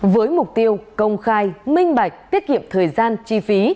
với mục tiêu công khai minh bạch tiết kiệm thời gian chi phí